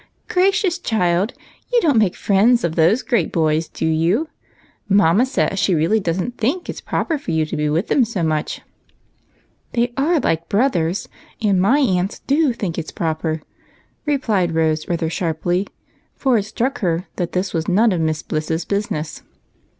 Gracious, child ! you don't make friends of those great boys, do you ? Mamma says she really does n't think it's proper for you to be Avith them so much.'' " They are like brothers, and my aunts do think it 's proper," replied Rose, rather sharply, for it struck her that this was none of Miss Bliss's business.